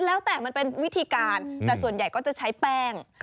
แล้วแต่มันเป็นวิธีการแต่ส่วนใหญ่ก็จะใช้แป้ง